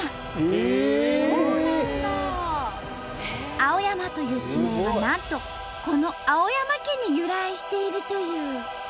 「青山」という地名はなんとこの青山家に由来しているという。